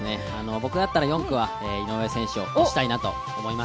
僕だったら４区は井上選手を推したいなと思います。